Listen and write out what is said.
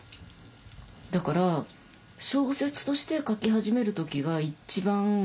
だから小説として書き始める時が一番力がいりますよね。